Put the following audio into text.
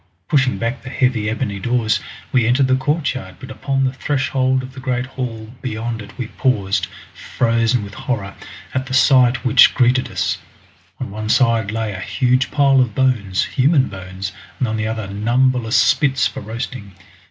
Pushing back the heavy ebony doors we entered the courtyard, but upon the threshold of the great hall beyond it we paused, frozen with horror, at the sight which greeted us. On one side lay a huge pile of bones human bones, and on the other numberless spits for roasting!